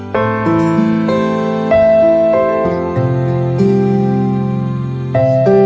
เชิญกับทุกคนที่ชื่อมัน